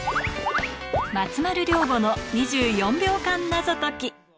松丸亮吾の２４秒間謎解き。